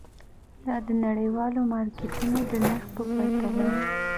دا د نړیوالو مارکېټونو د نرخ په پرتله وو.